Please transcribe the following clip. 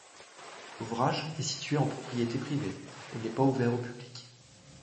L'ouvrage est situé en propriété privée et n'est pas ouvert au public.